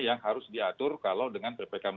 yang harus diatur kalau dengan ppkm